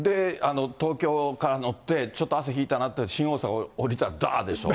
東京から乗って、ちょっと汗引いたなって、新大阪降りたら、だーっでしょ。